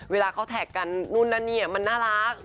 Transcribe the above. เวลาเขาแท็กกันมันน่ารัก